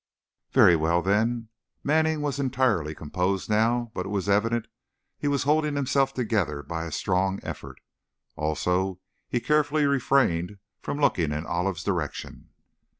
"Very well, then." Manning was entirely composed now, but it was evident he was holding himself together by a strong effort. Also, he carefully refrained from looking in Olive's direction.